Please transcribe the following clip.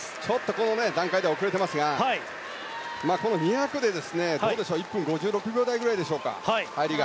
この段階では遅れていますがこの２００ｍで１分５６秒台ぐらいでしょうか入りが。